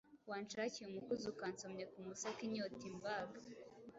wanshakiye umukuzo ukansomya ku musa ko inyota imbaga